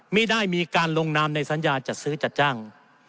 ไม่ได้มีการลงนามในสัญญาจัดซื้อจัดจ้าง